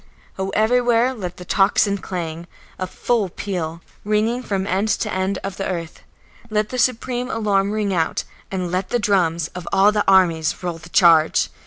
Oh, everywhere let the tocsin clang, a full peal, ringing from end to end of the earth; let the supreme alarm ring out, and let the drums of all the armies roll the charge!